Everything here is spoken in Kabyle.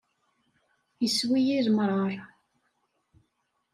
Issew-iyi lemṛaṛ.